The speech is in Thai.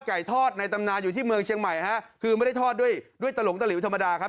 ทอดในตำนานอยู่ที่เมืองเชียงใหม่ฮะคือไม่ได้ทอดด้วยด้วยตะหลงตะหลิวธรรมดาครับ